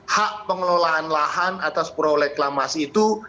hak pengelolaan lahan atas prole klamas itu